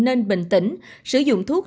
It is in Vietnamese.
nên bình tĩnh sử dụng thuốc